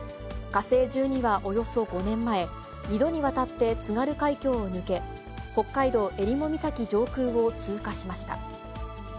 火星１２はおよそ５年前、２度にわたって津軽海峡を抜け、北海道襟裳岬上空を通過しました。